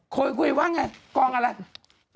คุยว่าไงกองอะไร